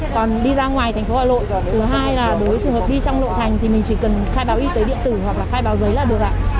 còn đi ra ngoài thành phố hà nội và thứ hai là đối với trường hợp vi trong nội thành thì mình chỉ cần khai báo y tế điện tử hoặc là khai báo giấy là được ạ